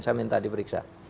saya minta diperiksa